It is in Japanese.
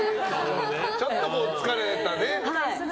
ちょっと疲れたね。